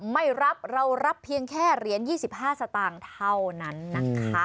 ไม่รับเรารับเพียงแค่เหรียญ๒๕สตางค์เท่านั้นนะคะ